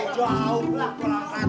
jauh jauh awam perangkat